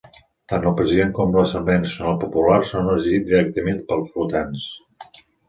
Tant el President com l'Assemblea Nacional Popular són elegits directament pels votants.